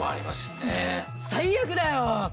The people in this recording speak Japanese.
最悪だよ！